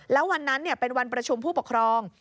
แล้ววันนั้นเป็นวันประชุมผู้ปกครอง